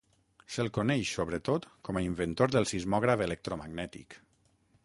Se'l coneix sobretot com a inventor del sismògraf electromagnètic.